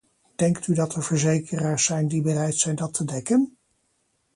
Denkt u dat er verzekeraars zijn die bereid zijn dat te dekken?